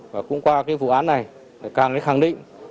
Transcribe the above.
và cũng qua vụ án này càng khẳng định